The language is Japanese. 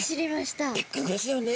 びっくりですよね。